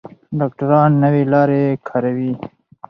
ډاکټران نوې لارې کاروي.